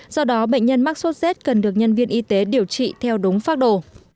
do đó bệnh nhân mắc sốt rét cần được nhân viên y tế điều trị theo đúng pháp đồ